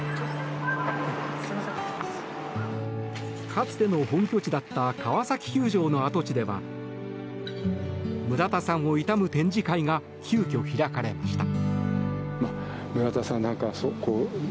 かつての本拠地だった川崎球場の跡地では村田さんを悼む展示会が急きょ開かれました。